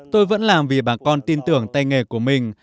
tôi vẫn làm vì bà con tin tưởng tay nghề của mình